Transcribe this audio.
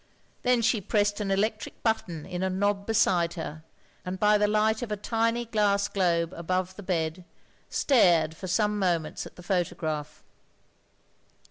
Then she pressed an electric button in a knob beside her, and by the light of a tiny glass globe above the bed, stared for some moments at the photograph.